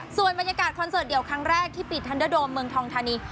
ส่วนบรรยากาศคอนเสิร์ตเดี่ยวครั้งแรกที่ปิดทันเดอร์โดมเมืองทองทานี